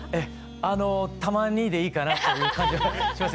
あのたまにでいいかなという感じがしました。